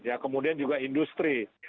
ya kemudian juga industri